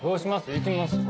行きますか。